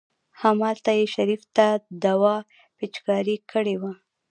همالته يې شريف ته دوا پېچکاري کړې وه.